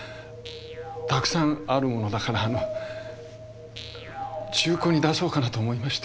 たくさんあるものだからあの中古に出そうかなと思いまして。